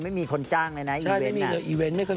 ไม่มีคนจ้างเลยนะอีเว้น